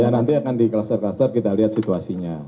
ya nanti akan di cluster cluster kita lihat situasinya